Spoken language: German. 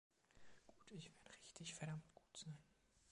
Gut, ich werde richtig verdammt gut sein.